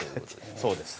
そうです。